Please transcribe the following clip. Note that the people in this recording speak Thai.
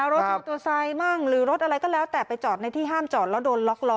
รถมอเตอร์ไซค์มั่งหรือรถอะไรก็แล้วแต่ไปจอดในที่ห้ามจอดแล้วโดนล็อกล้อ